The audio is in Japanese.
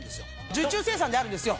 受注生産であるんですよ。